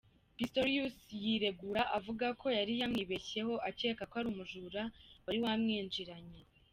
Pistorius yiregura avuga ko yari yamwibeshyeho akeka ko ari umujura wari wamwinjiranye.